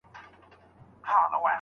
آيا نکاح بايد دائمي حرمت ولري؟